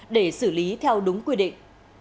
để xử lý theo đúng quy định